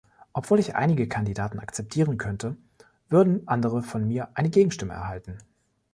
Obwohl ich einige Kandidaten akzeptieren könnte, würden andere von mir eine Gegenstimme erhalten.